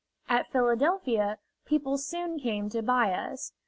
At Philadelphia, people soon came to buy us.